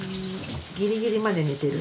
ギリギリまで寝てる？